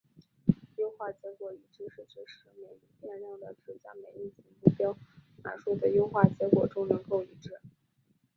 优化结果一致是指使每一变量的值在每一子目标函数的优化结果中能够一致。